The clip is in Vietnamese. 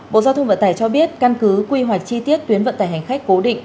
bộ giao thông vận tải cho biết căn cứ quy hoạch chi tiết tuyến vận tải hành khách cố định